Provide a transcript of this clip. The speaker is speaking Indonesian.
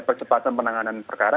percepatan penanganan perkara